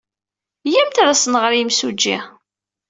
Iyyamt ad as-nɣer i yimsujji.